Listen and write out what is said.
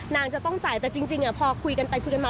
นางจะต้องจ่ายแต่จริงพอคุยกันไปคุยกันมา